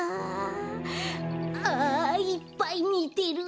あいっぱいみてる。